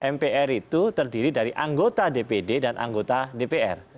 mpr itu terdiri dari anggota dpd dan anggota dpr